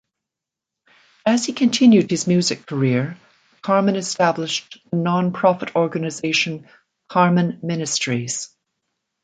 As he continued his music career, Carman established the nonprofit organization Carman Ministries.